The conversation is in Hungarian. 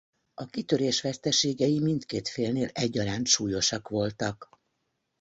A kitörés veszteségei mindkét félnél egyaránt súlyosak voltak.